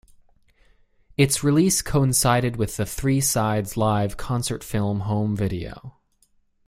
Its release coincided with the "Three Sides Live" concert film home video.